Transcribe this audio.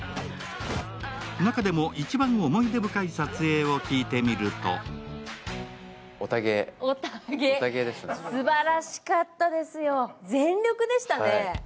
中でも一番思い出深い撮影を聞いてみるとオタゲーすばらしかったですよ、全力でしたね。